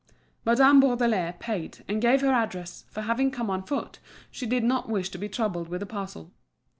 Madame Bourdelais paid and gave her address, for having come on foot she did not wish to be troubled with a parcel.